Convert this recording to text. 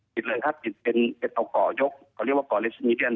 เป็นเอาเกาะยกเขาเรียกว่าเกาะเลสนิเดียน